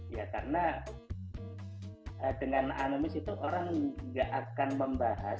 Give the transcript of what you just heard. ya karena dengan anomis itu orang nggak akan membahas